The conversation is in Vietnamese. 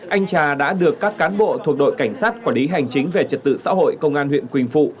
anh trà đã được các cán bộ thuộc đội cảnh sát quản lý hành chính về trật tự xã hội công an huyện quỳnh phụ